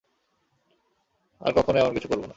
আর কক্ষনো এমন কিছু করবো না।